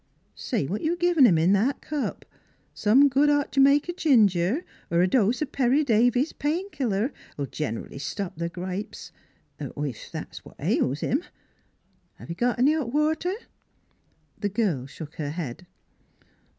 ... Say, what you givin' him in that cup? Some good hot J'maica jinger, er a dose of Perry Davis' Pain Killer '11 generally stop th' gripes ef that's what ails him. ... Got any hot water?" The girl shook her head.